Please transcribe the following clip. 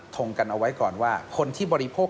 งงกันเอาไว้ก่อนว่าคนที่บริโภค